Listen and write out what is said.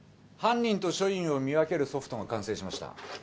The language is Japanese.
犯人と署員を見分けるソフトが完成しました。